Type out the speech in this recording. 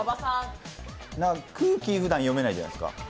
空気、ふだん読めないじゃないですか。